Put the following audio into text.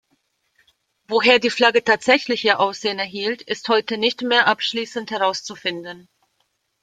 Woher die Flagge tatsächlich ihr Aussehen erhielt, ist heute nicht mehr abschließend herauszufinden.